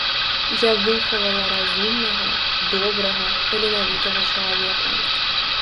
Я выхавала разумнага, добрага, таленавітага чалавека.